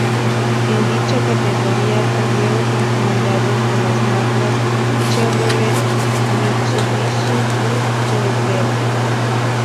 En dicha categoría corrió con unidades de las marcas Chevrolet, Mitsubishi y Peugeot.